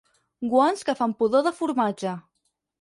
Guants que fa pudor de formatge.